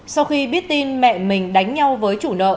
sau khi biết tin mẹ mình đánh nhau với chủ nợ